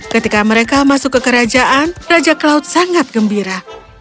ketika mereka masuk ke kerajaan raja cloud sangat gembira